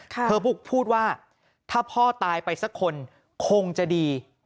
เธอพูดว่าถ้าพ่อตายไปสักคนคงจะดี